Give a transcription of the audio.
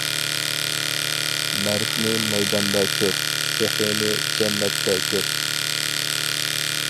مەردنى مەيداندا كۆر، سېخىنى جەننەتتە كۆر.